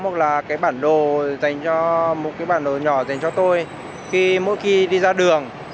hoặc là cái bản đồ dành cho một cái bản đồ nhỏ dành cho tôi khi mỗi khi đi ra đường